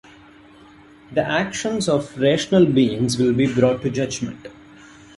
The actions of rational beings will be brought to judgment.